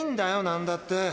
なんだって。